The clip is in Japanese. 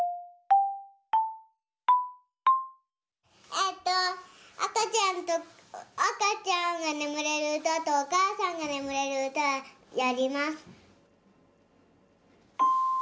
えっとあかちゃんとあかちゃんがねむれるうたとおかあさんがねむれるうたやります。